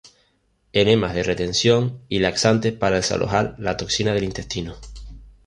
Enemas de retención y laxantes para desalojar la toxina del intestino.